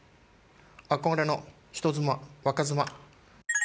・憧れの人妻若妻。